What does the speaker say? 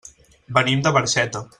Venim de Barxeta.